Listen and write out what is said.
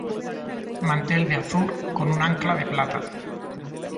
Mantel de azur, con un ancla de plata.